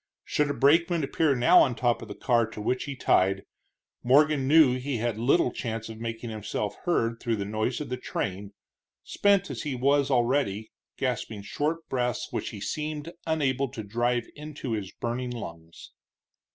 Should a brakeman appear now on top of the car to which he was tied, Morgan knew he had little chance of making himself heard through the noise of the train, spent as he was already, gasping short breaths which he seemed unable to drive into his burning lungs.